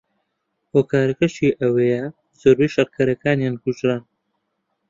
هۆکارەکەشەی ئەوەیە زۆربەی شەڕکەرەکانیان کوژران